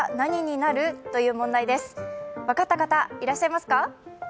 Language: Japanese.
分かった方、いらっしゃいますか？